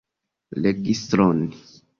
Registron?